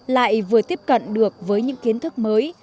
lại vừa tiếp cận được với những kiến thức mới